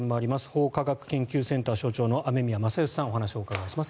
法科学研究センター所長の雨宮正欣さんにお話をお伺いします。